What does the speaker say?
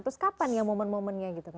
terus kapan ya momen momennya gitu